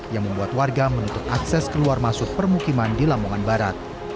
yang membuat warga menutup akses keluar masuk permukiman di lamongan barat